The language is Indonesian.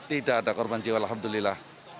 tidak ada korban jiwa alhamdulillah